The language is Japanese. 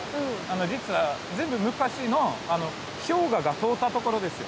実は随分昔の氷河が通ったところですよ。